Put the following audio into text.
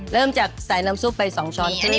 เริ่มจากใส่น้ำซุปไป๒ช้อน